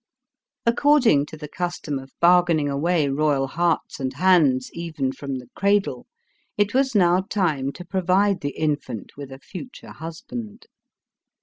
According to the custom of bargaining away royal hearts and hands even from the cradle, it was now time to provide the infant with a future husband.